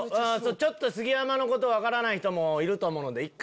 杉山のこと分からない人もいると思うので。